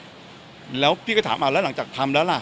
พยาบาลที่เหลือแล้วพี่ก็ถามมาแล้วหลังจากทำแล้วล่ะ